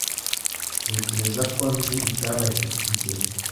Ntekereza ko nzi ibyabaye kuri kigeli.